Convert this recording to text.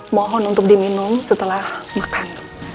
mohon untuk diminum setelah makan